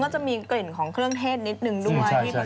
จะมีกลิ่นของเครื่องเทศนิดนึงด้วย